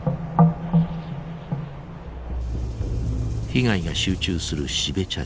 被害が集中する標茶町。